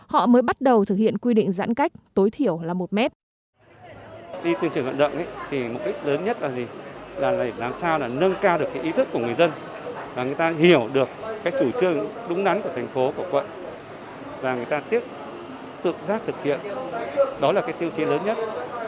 họ mới bắt đầu thực hiện quy định giãn cách tối thiểu là một mét